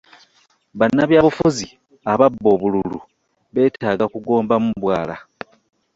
Bannabyabufuzi ababba obululu beetaaga kugombamu bwala.